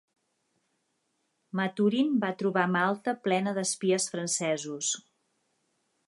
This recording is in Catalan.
Maturin va trobar Malta plena d'espies francesos.